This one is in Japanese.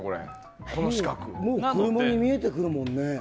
もう車に見えてくるもんね。